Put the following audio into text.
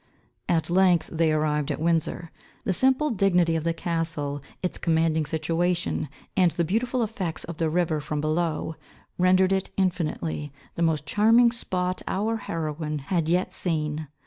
At length they arrived at Windsor. The simple dignity of the castle, its commanding situation, and the beautiful effects of the river from below, rendered it infinitely the most charming spot our heroine had yet seen.